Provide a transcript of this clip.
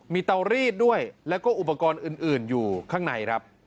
มีเตารีดด้วยแล้วก็อุปกรณ์อื่นอยู่ข้างในครับ